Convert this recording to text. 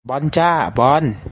บอลจ้ะบอล